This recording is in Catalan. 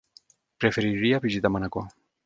Preferiria visitar Manacor.